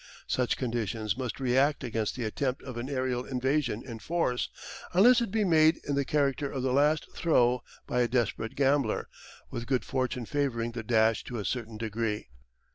Such conditions must react against the attempt of an aerial invasion in force, unless it be made in the character of the last throw by a desperate gambler, with good fortune favouring the dash to a certain degree.